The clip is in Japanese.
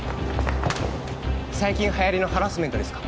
最近はやりのハラスメントですか？